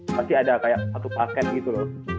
pasti ada kayak satu paket gitu loh